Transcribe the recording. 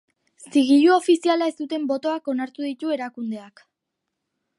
Zigilu ofiziala ez zuten botoak onartu ditu erakundeak.